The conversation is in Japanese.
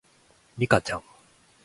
リカちゃん